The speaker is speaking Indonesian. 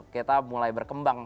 kita mulai berkembang